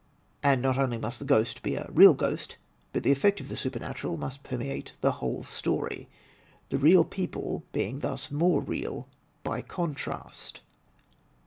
And not only must the ghost be a real ghost, but the e£Fect of the supernatural must permeate the whole story, the real people being thus more real by contrast.